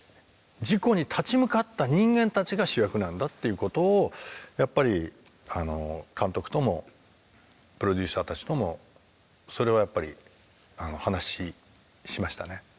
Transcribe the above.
事故に立ち向かった人間たちが主役なんだっていうことをやっぱり監督ともプロデューサーたちともそれはやっぱり話しましたね。